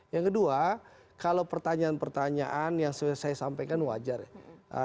yang kedua kalau pertanyaan pertanyaan yang saya sampaikan wajar ya